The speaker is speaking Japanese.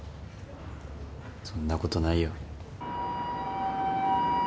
そんなことないよ。